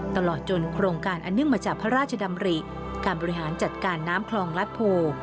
ตลอดจนโครงการอันเนื่องมาจากพระราชดำริการบริหารจัดการน้ำคลองรัฐโพ